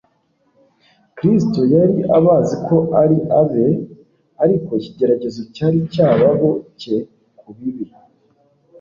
Kristo yari abazi ko ari abe. Ariko ikigeragezo cyari cyababohcye ku bibi,